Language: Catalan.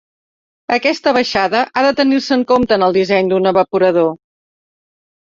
Aquesta baixada ha de tenir-se en compte en el disseny d'un evaporador.